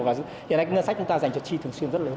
và hiện nay ngân sách chúng ta dành cho chi thường xuyên rất lớn